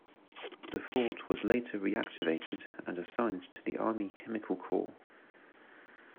The Fort was later reactivated and assigned to the Army Chemical Corps.